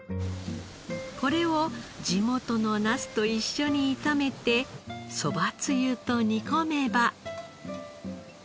これを地元のナスと一緒に炒めてそばつゆと煮込めば。